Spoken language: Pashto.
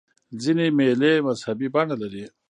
ځیني مېلې مذهبي بڼه لري.